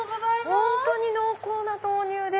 本当に濃厚な豆乳で。